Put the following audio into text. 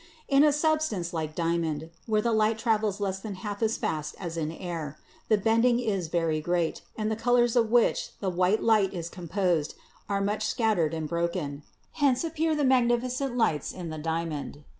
In a substance like diamond, where the light travels less than half as fast as in air, the bending is very great, and the colors of which the white light is composed are much scattered and broken. Hence appear the magnificent lights in the diamond.